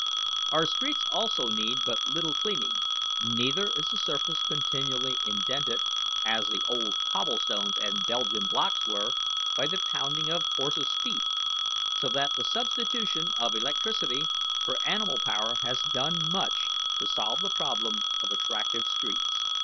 Our streets also need but little cleaning; neither is the surface continually indented, as the old cobble stones and Belgian blocks were, by the pounding of the horses' feet, so that the substitution of electricity for animal power has done much to solve the problem of attractive streets.